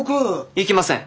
行きません。